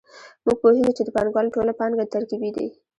موږ پوهېږو چې د پانګوال ټوله پانګه ترکیبي ده